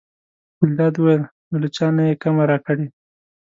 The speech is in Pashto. ګلداد وویل: نو له چا نه یې کمه راکړې.